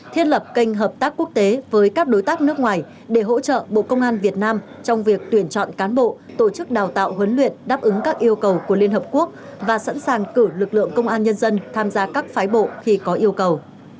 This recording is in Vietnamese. thiết lập kênh hợp tác quốc tế với các đối tác nước ngoài để hỗ trợ bộ công an việt nam trong việc tuyển chọn cán bộ tổ chức đào tạo huấn luyện đáp ứng các yêu cầu của liên hợp quốc và sẵn sàng cử lực lượng công an nhân dân tham gia các phái bộ khi có yêu cầu